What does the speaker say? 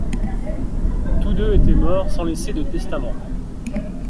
Tous deux étaient morts sans laisser de testament.